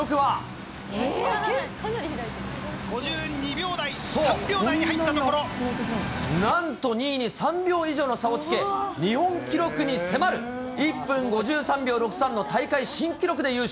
５２秒台、なんと２位に３秒以上の差をつけ、日本記録に迫る１分５３秒６３の大会新記録で優勝。